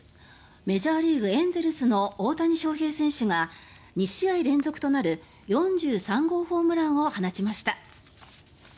メジャーリーグエンゼルスの大谷翔平選手が２試合連続となる４３号満塁ホームランを放ちました。